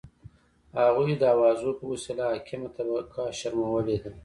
هغوی د اوازو په وسیله حاکمه طبقه شرمولي ده.